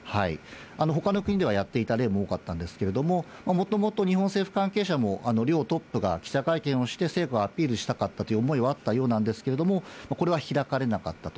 ほかの国ではやっていた例も多かったんですけれども、もともと日本政府関係者も、両トップが記者会見をして、成果をアピールしたかったという思いはあったようなんですけれども、これは開かれなかったと。